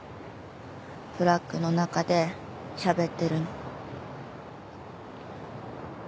トラックの中でしゃべってるの。